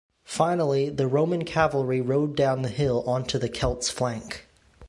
Finally, the Roman cavalry rode down the hill onto the Celts' flank.